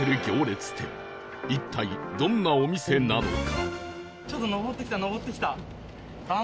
一体どんなお店なのか？